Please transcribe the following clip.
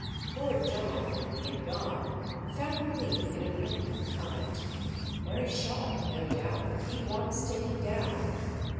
Lord John, when he had gone, found relief in a quick comment. "Very sharp, no doubt—but he wants taking down."